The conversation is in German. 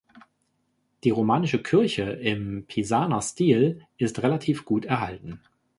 Die romanische Kirche im Pisaner Stil ist relativ gut erhalten.